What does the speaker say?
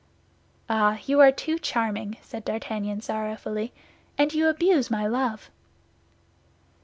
"Ah! You are too charming," said D'Artagnan, sorrowfully; "and you abuse my love."